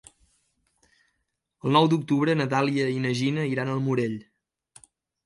El nou d'octubre na Dàlia i na Gina iran al Morell.